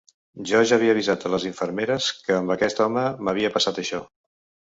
Jo ja havia avisat les infermeres que amb aquest home m’havia passat això.